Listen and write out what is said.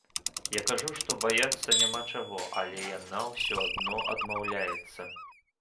Я кажу, што баяцца няма чаго, але яна ўсё адно адмаўляецца.